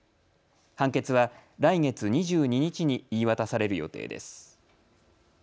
判決は来月２２日に言い渡される予定です。